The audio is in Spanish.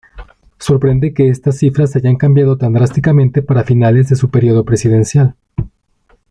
Sorprende que estas cifras hayan cambiado tan drásticamente para finales de su periodo presidencial.